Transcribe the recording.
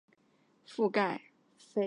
眼完全为脂性眼睑所覆盖。